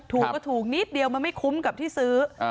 ถูกก็ถูกนิดเดียวมันไม่คุ้มกับที่ซื้อ